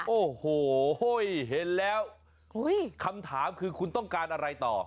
โอ้โหเห็นแล้วคำถามคือคุณต้องการอะไรต่อ